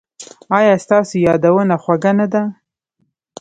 ایا ستاسو یادونه خوږه نه ده؟